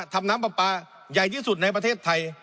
ทำน้ำปลาปลาใหญ่ที่สุดในประเทศไทย